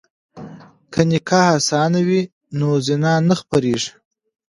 که نکاح اسانه وي نو زنا نه خپریږي.